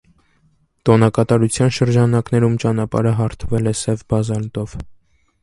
Տոնակատարության շրջանակներում ճանապարհը հարթվել է սև բազալտով։